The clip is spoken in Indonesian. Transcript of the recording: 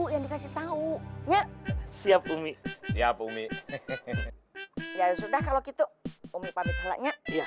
yang dikasih tahu ya siap bumi siap bumi ya sudah kalau gitu umi pabrik alanya ya